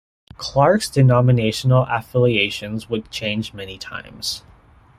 Clark's denominational affiliations would change many times.